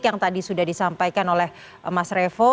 yang tadi sudah disampaikan oleh mas revo